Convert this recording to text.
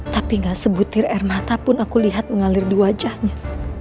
tapi gak sebutir air mata pun aku lihat mengalir di wajahnya